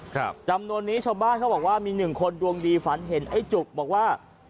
ครับจำนวนนี้ชาวบ้านเขาบอกว่ามีหนึ่งคนดวงดีฝันเห็นไอ้จุกบอกว่า